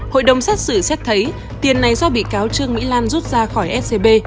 hội đồng xét xử xét thấy tiền này do bị cáo trương mỹ lan rút ra khỏi scb